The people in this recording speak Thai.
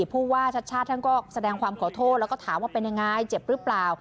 ผู้ว่าชัดชาติท่านก็แสดงความขอโทษแล้วก็ถามว่าเป็นยังไงเจ็บหรือเปล่า